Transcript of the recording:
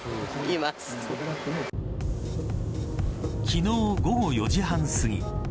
昨日、午後４時半すぎ。